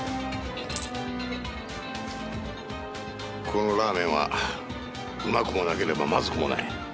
ここのラーメンはうまくもなければまずくもない。